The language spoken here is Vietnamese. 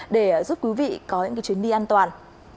để giúp quý vị có những chuyến đi an toàn